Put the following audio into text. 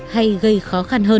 hay gây khó khăn hơn